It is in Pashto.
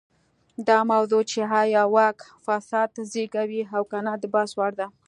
دا موضوع چې ایا واک فساد زېږوي او که نه د بحث وړ ده.